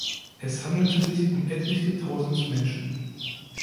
Es handelte sich um etliche Tausend Menschen.